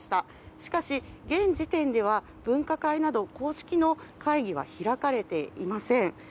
しかし、現時点では分科会など、公式の会議は開かれていません。